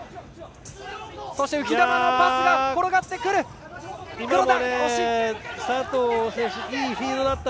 そして浮き球のパスが転がってきた。